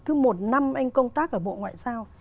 cứ một năm anh công tác ở bộ ngoại giao